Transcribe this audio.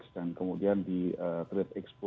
dan kemudian di trade expo